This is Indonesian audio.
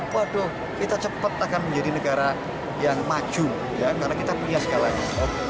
waduh kita cepat akan menjadi negara yang maju karena kita punya segalanya